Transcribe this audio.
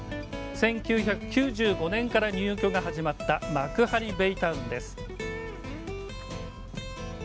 １９９５年から入居が始まった幕張ベイタウンです。